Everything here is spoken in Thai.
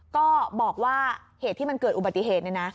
ก็บอกว่าเหตุที่มันเกิดอุบัติเหตุเนี่ยนะ